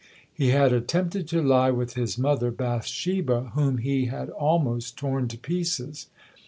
He had attempted to lie with his mother Bathsheba, whom he had almost torn to pieces.